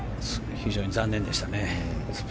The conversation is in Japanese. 非常に残念でしたね。